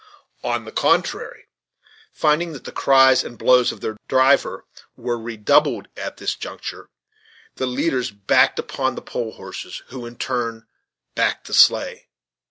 On the contrary, finding that the cries and blows of their driver were redoubled at this juncture, the leaders backed upon the pole horses, who in their turn backed the sleigh.